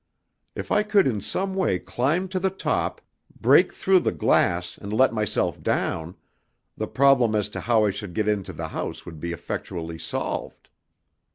If I could in some way climb to the top, break through the glass and let myself down, the problem as to how I should get into the house would be effectually solved.